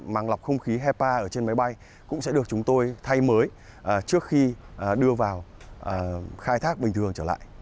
màng lọc không khí hepa ở trên máy bay cũng sẽ được chúng tôi thay mới trước khi đưa vào khai thác bình thường trở lại